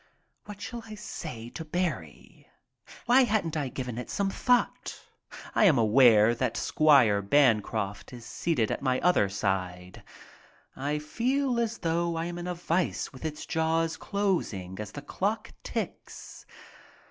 What shall I say to Barrie? Why hadn't I given it some thought? I am aware that Squire Bancroft is seated at my other side. I feel as though I am in a vise with its jaws closing as the clock ticks.